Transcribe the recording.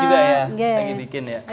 juga ya lagi bikin ya